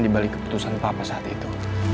dibalik keputusan papa saat itu